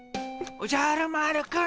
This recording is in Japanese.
おじゃる丸くん。